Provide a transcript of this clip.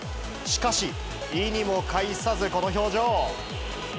しかし、意にも介さずこの表情。